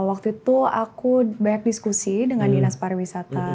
waktu itu aku banyak diskusi dengan dinas pariwisata